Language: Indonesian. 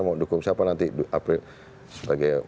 mau dukung siapa nanti sebagai